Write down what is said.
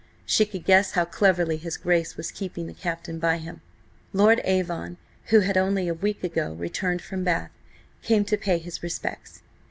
She could guess how cleverly his Grace was keeping the Captain by him. ... Lord Avon, who had only a week ago returned from Bath, came to pay his respects.